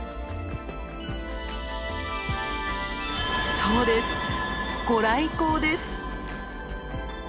そうですご来光です。